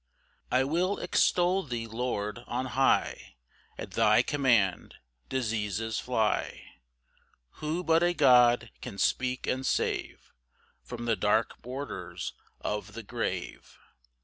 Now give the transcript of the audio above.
1 I will extol thee, Lord, on high, At thy command, diseases fly; Who but a God can speak and save From the dark borders of the grave?